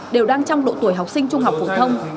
đều đang trong độ tuổi học sinh trung học phổ thông